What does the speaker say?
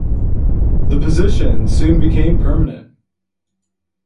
The position soon became permanent.